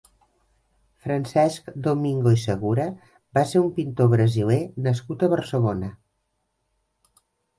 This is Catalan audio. Francesc Domingo i Segura va ser un pintor brasiler nascut a Barcelona.